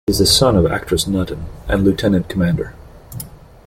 He is the son of actress Nutan and Lieutenant Cdr.